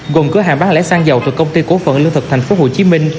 gồm cửa hàng bán lễ xăng dầu từ công ty cổ phận lương thực tp hcm